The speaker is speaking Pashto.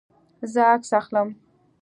زه عکس اخلم